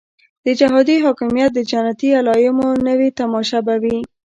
د جهادي حاکمیت د جنتي علایمو نوې تماشه به وي.